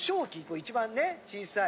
一番ね小さい。